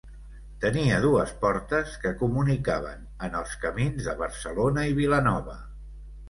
Tenia dues portes, que comunicaven en els camins de Barcelona i Vilanova.